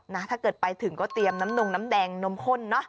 ถ้าเกิดไปถึงก็เตรียมน้ำนงน้ำแดงนมข้นเนอะ